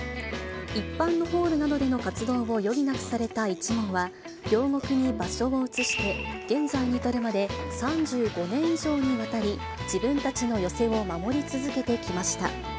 一般のホールなどでの活動を余儀なくされた一門は、両国に場所を移して、現在に至るまで３５年以上にわたり、自分たちの寄席を守り続けてきました。